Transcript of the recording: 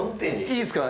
いいっすか？